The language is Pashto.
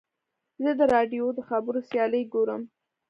زه د راډیو د خبرو سیالۍ ګورم.